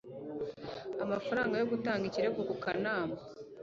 amafaranga yo gutanga ikirego ku kanama